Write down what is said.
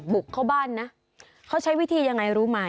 บุกเข้าบ้านนะเขาใช้วิธียังไงรู้ไหม